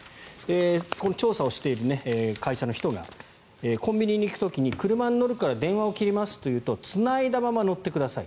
調査をしている会社の人がコンビニに行く時に車に乗るから電話を切りますというとつないだまま乗ってください。